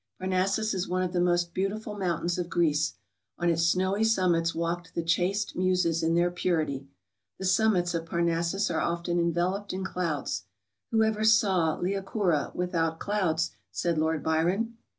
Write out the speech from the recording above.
Parnassus is one of the most beautiful mountains of Greece; on its snowy summits walked the chaste Muses in their purity I The summits of Parnassus are often enveloped in clouds. '' Who ever saw Liakoura without clouds ?" said Lord Byron.